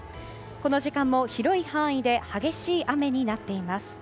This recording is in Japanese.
この時間も広い範囲で激しい雨になっています。